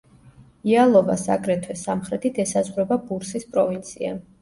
იალოვას, აგრეთვე, სამხრეთით ესაზღვრება ბურსის პროვინცია.